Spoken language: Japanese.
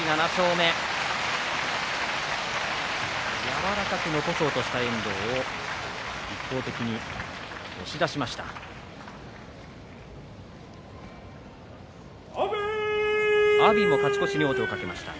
柔らかく残そうとした遠藤を一方的に押し出しました。